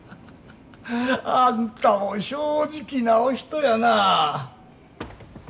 あんたも正直なお人やなあ！